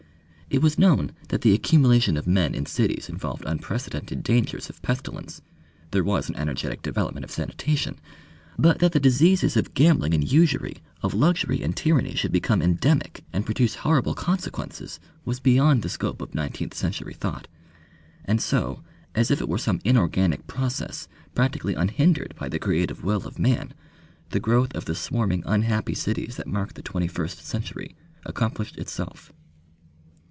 It was known that the accumulation of men in cities involved unprecedented dangers of pestilence; there was an energetic development of sanitation; but that the diseases of gambling and usury, of luxury and tyranny should become endemic, and produce horrible consequences was beyond the scope of nineteenth century thought. And so, as if it were some inorganic process, practically unhindered by the creative will of man, the growth of the swarming unhappy cities that mark the twenty first century accomplished itself.